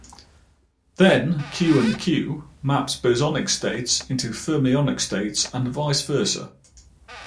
Then, "Q" and "Q" maps "bosonic" states into "fermionic" states and vice versa.